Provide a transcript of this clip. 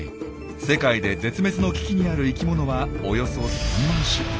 世界で絶滅の危機にある生きものはおよそ３万種。